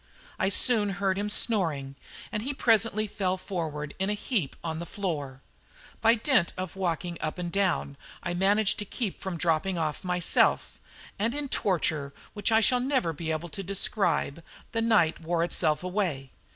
I soon heard him snoring, and he presently fell forward in a heap on the floor. By dint of walking up and down, I managed to keep from dropping off myself, and in torture which I shall never be able to describe, the night wore itself away.